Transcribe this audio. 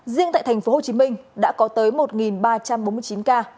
riêng tại thành phố hồ chí minh đã có tới một ba trăm bốn mươi chín ca